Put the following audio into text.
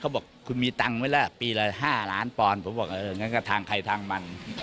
เขาบอกคุณมีตังค์ไหมล่ะปีละ๕ล้านพรผมบอกเอออย่างนั้นก็ทางใครทางมัน